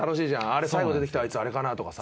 あれ最後出てきたあいつあれかな？とかさ。